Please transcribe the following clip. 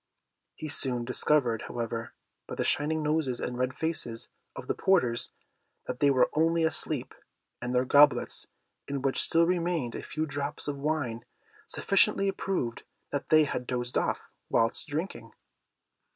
He soon discovered, however, by the shining noses and red faces of the porters, that they were only asleep; and their goblets, in which still remained a few drops of wine, sufficiently proved that they had dosed off whilst drinking.